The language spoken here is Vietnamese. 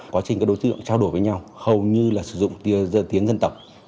quá trình các đối tượng trao đổi với nhau hầu như là sử dụng tiếng dân tộc